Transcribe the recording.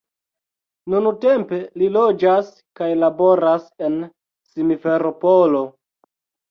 Nuntempe li loĝas kaj laboras en Simferopolo.